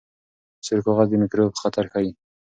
سور کاغذ د میکروب خطر ښيي.